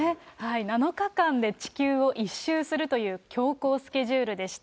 ７日間で地球を一周するという強行スケジュールでした。